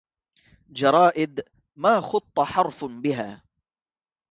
جرائد ما خط حرف بها